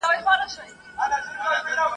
ما یې کړي پر شنېلیو اتڼونه !.